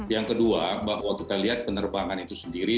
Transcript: yang kedua bahwa kita lihat penerbangan itu sendiri